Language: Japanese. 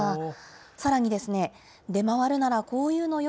さらにですね、出回るならこういうのよ！